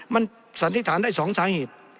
มันสันนิษฐานได้๒สาเหตุ